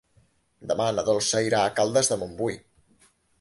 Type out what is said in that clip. Demà na Dolça irà a Caldes de Montbui.